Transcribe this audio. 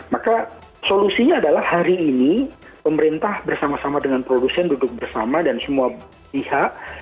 maka solusinya adalah hari ini pemerintah bersama sama dengan produsen duduk bersama dan semua pihak